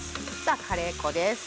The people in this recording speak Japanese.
カレー粉です。